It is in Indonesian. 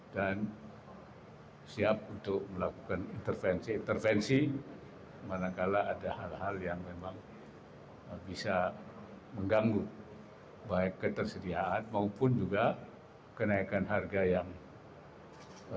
dan siap untuk melakukan intervensi intervensi manakala ada hal hal yang memang bisa mengganggu baik ketersediaan maupun juga kenaikan harga yang berbeda